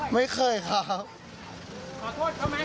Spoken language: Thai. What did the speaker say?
ไม่เคยครับ